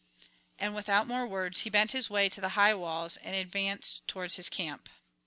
And without more words he bent his way to the high walls and advanced towards his camp.